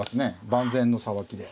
万全のさばきで。